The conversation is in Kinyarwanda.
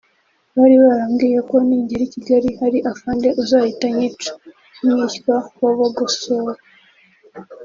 Bari barambwiye ko ningera i Kigali hari afande uzahita anyica-Mwishywa wa Bagosora